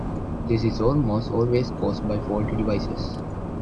This is almost always caused by faulty devices.